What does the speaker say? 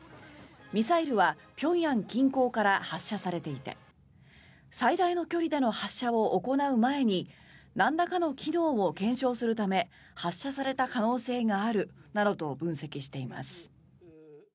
ミサイルは平壌近郊から発射されていて最大の距離での発射を行う前になんらかの機能を検証するため発射された可能性があるなどと分析しています。